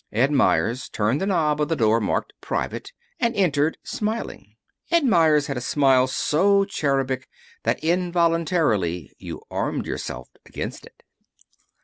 Ed Meyers turned the knob of the door marked "Private," and entered, smiling. Ed Meyers had a smile so cherubic that involuntarily you armed yourself against it.